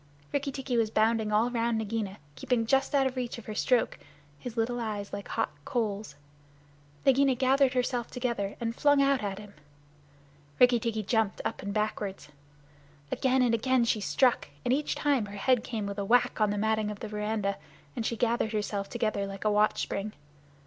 Rikki tikki was bounding all round Nagaina, keeping just out of reach of her stroke, his little eyes like hot coals. Nagaina gathered herself together and flung out at him. Rikki tikki jumped up and backward. Again and again and again she struck, and each time her head came with a whack on the matting of the veranda and she gathered herself together like a watch spring.